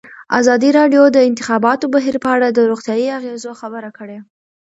ازادي راډیو د د انتخاباتو بهیر په اړه د روغتیایي اغېزو خبره کړې.